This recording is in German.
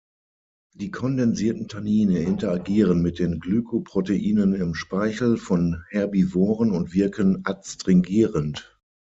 Die kondensierten Tannine interagieren mit den Glykoproteinen im Speichel von Herbivoren und wirken adstringierend.